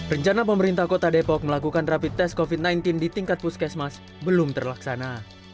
rencana pemerintah kota depok melakukan rapid test covid sembilan belas di tingkat puskesmas belum terlaksana